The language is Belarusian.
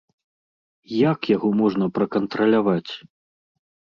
Як яго можна пракантраляваць?